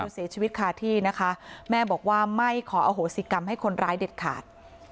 เสียชีวิตคาที่นะคะแม่บอกว่าไม่ขออโหสิกรรมให้คนร้ายเด็ดขาด